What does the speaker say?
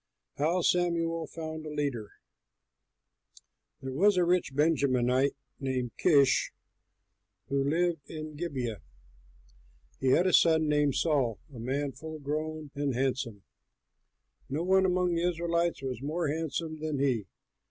HOW SAMUEL FOUND A LEADER There was a rich Benjamite named Kish, who lived at Gibeah. He had a son named Saul, a man full grown and handsome; no one among the Israelites was more handsome than he.